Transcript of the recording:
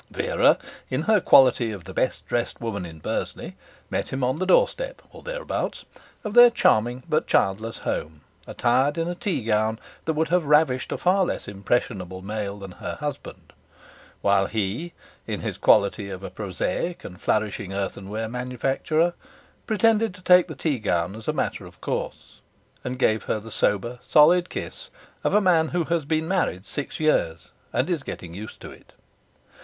Vera, in her quality of the best dressed woman in Bursley, met him on the doorstep (or thereabouts) of their charming but childless home, attired in a teagown that would have ravished a far less impressionable male than her husband; while he, in his quality of a prosaic and flourishing earthenware manufacturer, pretended to take the teagown as a matter of course, and gave her the sober, solid kiss of a man who has been married six years and is getting used to it.